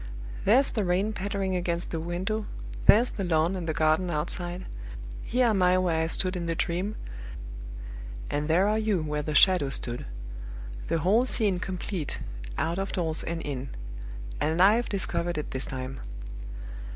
There's the rain pattering against the window there's the lawn and the garden outside here am I where I stood in the Dream and there are you where the Shadow stood. The whole scene complete, out of doors and in; and I've discovered it this time!"